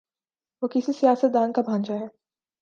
وہ کسی سیاست دان کا بھانجا ہے۔